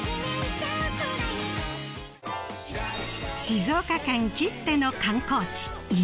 静岡県きっての観光地